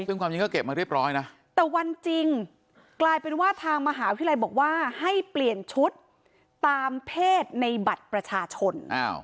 แต่วันจริงกลายเป็นว่าทางมหาวิทยาลัยบอกว่าให้เปลี่ยนชุดตามเพศในบัตรประชาชน